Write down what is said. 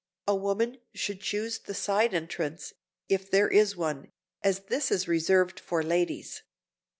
A woman should choose the side entrance, if there is one, as this is reserved for ladies.